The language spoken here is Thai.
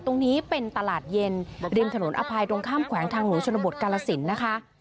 ตรงนี้เป็นตลาดเย็นริมถนนอภัยตรงข้ามแขวงทางหลวงชนบทกาลสินนะคะ